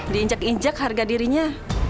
diinjak injak harga dirinya